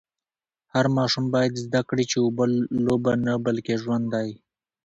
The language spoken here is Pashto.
هر ماشوم باید زده کړي چي اوبه لوبه نه بلکې ژوند دی.